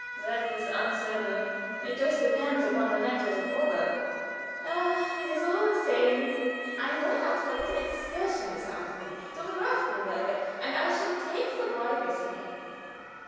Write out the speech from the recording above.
"That is uncertain. It just depends upon the length of the probe." "Ha! It is all the same. I am going out for a little excursion this afternoon, to the Grafenberg, and I shall take the boy with me."